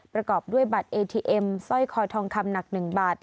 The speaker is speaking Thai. ประกอบด้วยบัตรเอทีเอ็มสร้อยคอทองคำหนัก๑บาท